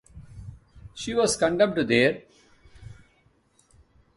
She was condemned there.